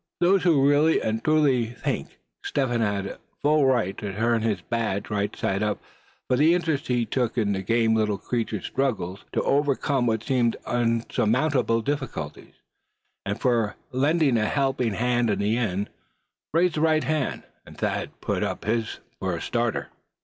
"Those who really and truly think Step Hen had a full right to turn his badge right side up for the interest he took in that game little creature's struggle to overcome what seemed unsurmountable difficulties, and for lending a helping hand in the end, raise the right hand," and Thad put his up for a starter.